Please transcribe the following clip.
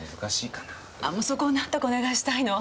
あそこをなんとかお願いしたいの。